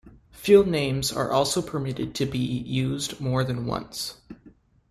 Field names are also permitted to be used more than once.